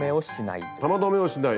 玉留めをしない。